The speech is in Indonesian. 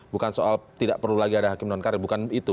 bukan soal tidak perlu lagi ada hakim non karir bukan itu